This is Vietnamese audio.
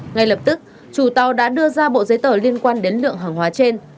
ngay lập tức chủ tàu đã đưa ra bộ giấy tờ liên quan đến lượng hàng hóa trên